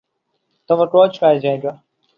تو وہ کوچ کر جائے گا۔